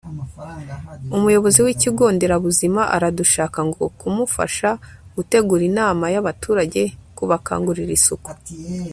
umuyobozi w'ikigo nderabuzima aradushaka ngo kumufasha gutegura inama y'abaturage kubakangurira isuku